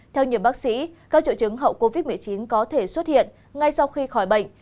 theo nhiều bác sĩ các triệu chứng hậu covid một mươi chín có thể xuất hiện ngay sau khi khỏi bệnh